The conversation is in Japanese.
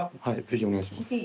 ぜひお願いします。